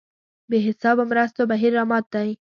بې حسابو مرستو بهیر رامات دی.